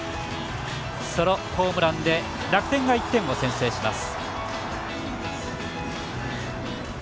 ソロホームランで楽天が１点を先制します。